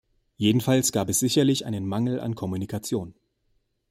Jedenfalls gab es sicherlich einen Mangel an Kommunikation.